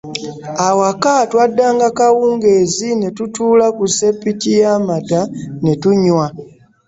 Awaka twaddanga kawungeezi ne tutuula ku ssepiki y’amata ne tunywa.